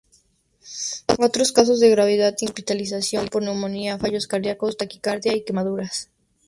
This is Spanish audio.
Otros casos de gravedad incluyen la hospitalización por neumonía, fallos cardíacos, taquicardia y quemaduras.